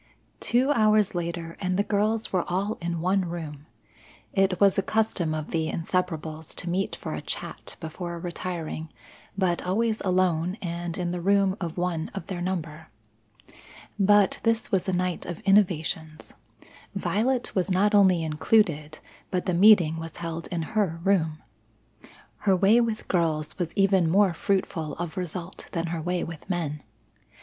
Two hours later and the girls were all in one room. It was a custom of the Inseparables to meet for a chat before retiring, but always alone and in the room of one of their number. But this was a night of innovations; Violet was not only included, but the meeting was held in her room. Her way with girls was even more fruitful of result than her way with men.